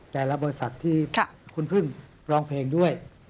แต่ละบริษัทที่คุณพึ่งร้องเพลงด้วย